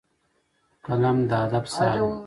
قلم د ادب ساه ده